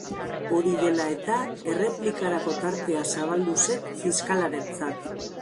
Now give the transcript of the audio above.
Hori dela eta, erreplikarako tartea zabaldu zen fiskalarentzat.